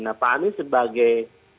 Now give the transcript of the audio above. nah pak amin sebagai